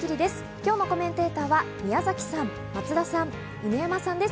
今日のコメンテーターの皆さんです。